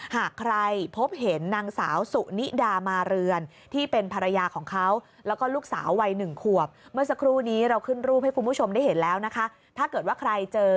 หากใครพบเห็นนางสาวสุนิดามาเรือนที่เป็นภรรยาของเขา